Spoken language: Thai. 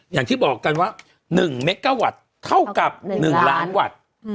อย่างที่บอกกันว่า๑เมกาวัตต์เท่ากับ๑ล้านวัตต์